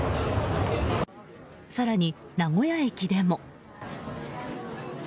更に名古屋駅でも。